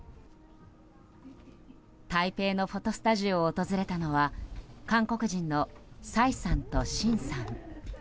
台北のフォトスタジオを訪れたのは韓国人のサイさんとシンさん。